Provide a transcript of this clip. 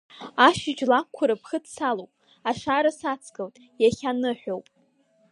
Ашьыжь лакәқәа рыԥхыӡ салоуп, ашара сацгылт, иахьа ныҳәоуп.